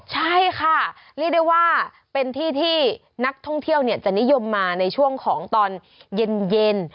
ใช่ค่ะเรียกได้ว่าเป็นที่ที่นักท่องเที่ยวจะนิยมมาในช่วงของตอนเย็น